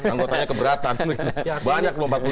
anggotanya keberatan banyak loh empat puluh lima ribu